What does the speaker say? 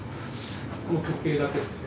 この時計だけですよ。